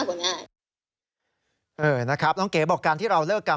ว่าการที่เราเลิกกรรม